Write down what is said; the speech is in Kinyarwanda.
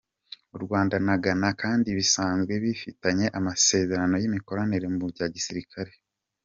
U Rwanda na Ghana kandi bisanzwe bifitanye amasezerano y’imikoranire mu bya gisirikare.